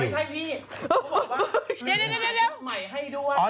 ไม่ใช่พี่เขาบอกว่าหรือหาชุดใหม่ให้ด้วย